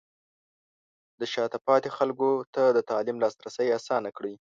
د شاته پاتې خلکو ته د تعلیم لاسرسی اسانه کړئ.